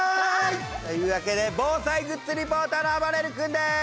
というわけで防災グッズリポーターのあばれる君です。